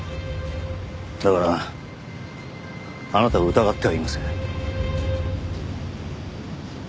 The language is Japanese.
だからあなたを疑ってはいません。